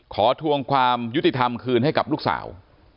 ทวงความยุติธรรมคืนให้กับลูกสาว